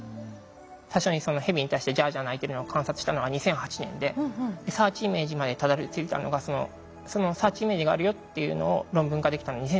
最初にそのヘビに対して「ジャージャー」鳴いてるのを観察したのが２００８年でサーチイメージまでたどりついたのがそのサーチイメージがあるよっていうのを論文化できたのは２０１８年。